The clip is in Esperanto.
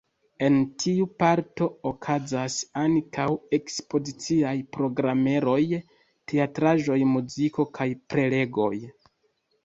En tiu parto okazas ankaŭ ekspoziciaj programeroj: teatraĵoj, muziko kaj prelegoj.